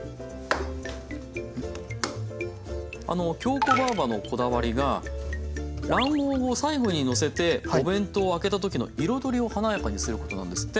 あのきょうこばぁばのこだわりが卵黄を最後にのせてお弁当を開けた時の彩りを華やかにすることなんですって。